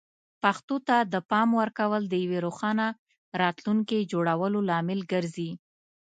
پښتو ته د پام ورکول د یوې روښانه راتلونکې جوړولو لامل ګرځي.